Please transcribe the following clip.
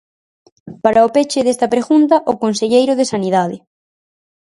Para o peche desta pregunta, o conselleiro de Sanidade.